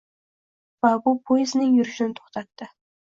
va bu «poyezd»ning yurishini to‘xtatdi.